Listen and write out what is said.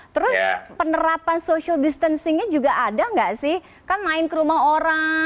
terus penerapan social distancingnya juga ada nggak sih kan main ke rumah orang